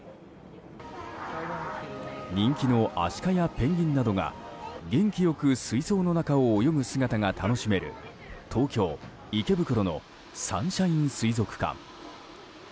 人気のアシカやペンギンなどが元気良く水槽の中を泳ぐ姿が楽しめる東京・池袋のサンシャイン水族館。